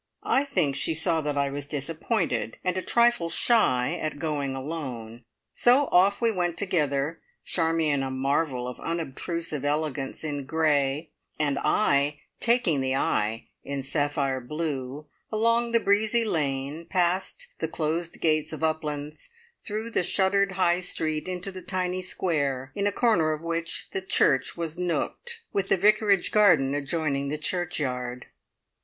I think she saw that I was disappointed, and a trifle shy at going alone, so off we went together Charmion a marvel of unobtrusive elegance in grey, and I "taking the eye" in sapphire blue along the breezy lane, past the closed gates of Uplands, through the shuttered High Street into the tiny square, in a corner of which the church was nooked, with the vicarage garden adjoining the churchyard.